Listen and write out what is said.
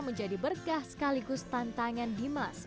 menjadi berkah sekaligus tantangan dimas